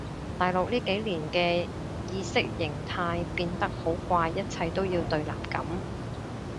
大陸呢幾年嘅意識形態變得好怪一切都要對立噉